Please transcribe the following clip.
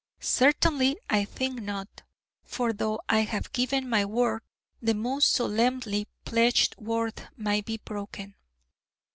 Certainly, I think not: for though I have given my word, the most solemnly pledged word may be broken.